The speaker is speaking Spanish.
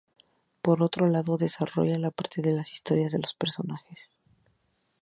Por otro lado desarrolla la parte de las historias de los personajes.